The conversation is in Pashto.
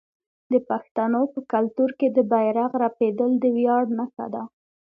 د پښتنو په کلتور کې د بیرغ رپیدل د ویاړ نښه ده.